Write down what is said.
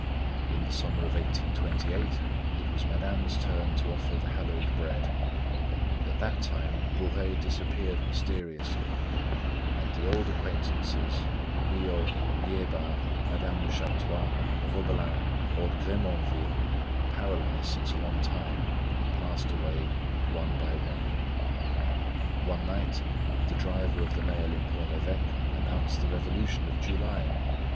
In the summer of 1828, it was Madame's turn to offer the hallowed bread; at that time, Bourais disappeared mysteriously; and the old acquaintances, Guyot, Liébard, Madame Lechaptois, Robelin, old Grémanville, paralysed since a long time, passed away one by one. One night, the driver of the mail in Pont l'Evêque announced the Revolution of July.